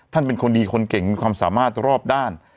เป็นคนดีคนเก่งมีความสามารถรอบด้าน